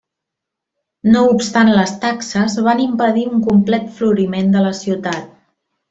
No obstant les taxes van impedir un complet floriment de la ciutat.